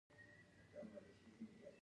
الوتکه د فزیک اصولو تابع ده.